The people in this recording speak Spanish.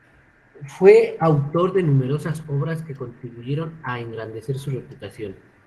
Fue autor de numerosas obras que contribuyeron a engrandecer su reputación.